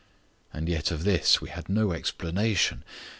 And yet of this we had no explanation.